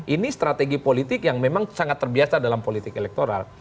ini strategi politik yang memang sangat terbiasa dalam politik elektoral